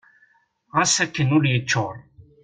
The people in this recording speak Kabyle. Ɣas akken ul yeččur.